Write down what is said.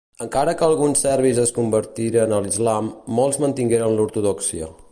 Encara que alguns serbis es convertiren a l'Islam, molts mantingueren l'ortodòxia.